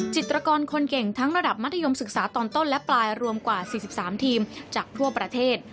จิตรกรคนเก่งทั้งระดับมัธยมศึกษาตอนต้นและปลายรวมกว่า๔๓ทีมจากทั่วประเทศ